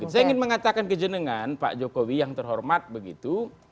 saya ingin mengatakan kejenengan pak jokowi yang terhormat begitu